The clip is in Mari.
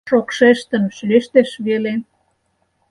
Шокшештын шӱлештеш веле.